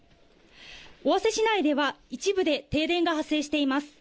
尾鷲市内では一部で停電が発生しています。